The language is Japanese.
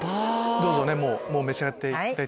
どうぞ召し上がっていただいて。